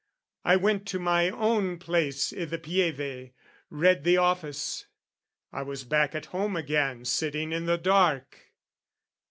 I went to my own place i' the Pieve, read The office: I was back at home again Sitting i' the dark.